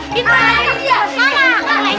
begini tadi ke lukman kan gendong